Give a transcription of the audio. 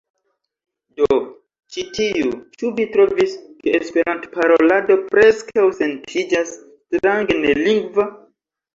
Do ĉi tiu, "Ĉu vi trovis ke Esperantparolado preskaŭ sentiĝas strange nelingva?"